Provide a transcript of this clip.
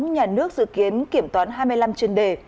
nhà nước dự kiến kiểm toán hai mươi năm chuyên đề